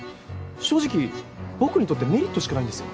正直僕にとってメリットしかないんですよ。